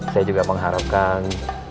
saya juga mengharapkan